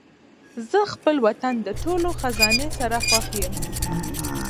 زه خپل وطن د ټولو خزانې سره خوښ یم.